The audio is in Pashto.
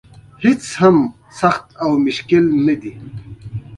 هېڅ څه هم سخت او مشکل نه دي.